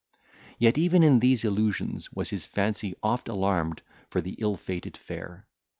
Yet, even in these illusions was his fancy oft alarmed for the ill fated fair.